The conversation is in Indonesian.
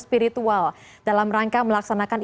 spiritual dalam rangka melaksanakan